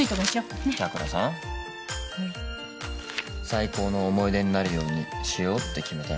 最高の思い出になるようにしようって決めたよね？